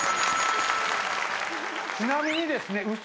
ちなみにですね嘘！